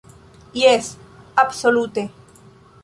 Jes, absolute!